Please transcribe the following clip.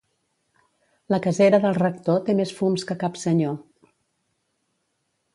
La casera del rector té més fums que cap senyor.